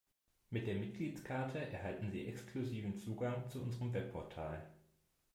Mit der Mitgliedskarte erhalten Sie exklusiven Zugang zu unserem Webportal.